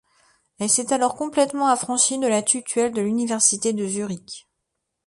Elle s'est alors complètement affranchie de la tutelle de l'université de Zurich.